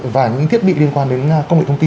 và những thiết bị liên quan đến công nghệ thông tin